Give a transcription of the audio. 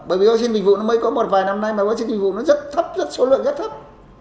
bởi vì vaccine dịch vụ nó mới có một vài năm nay mà vaccine dịch vụ nó rất thấp rất số lượng rất thấp